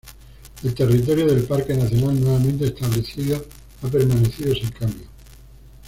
El territorio del parque nacional nuevamente establecido ha permanecido sin cambio.